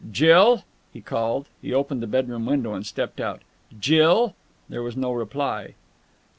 "Jill!" he called. He opened the bedroom window and stepped out. "Jill!" There was no reply.